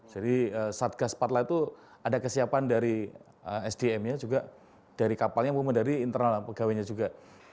jadi satgas patla itu ada kesiapan dari sdm nya juga dari kapalnya dari internal pegawainya juga